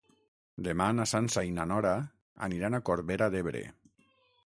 Demà na Sança i na Nora aniran a Corbera d'Ebre.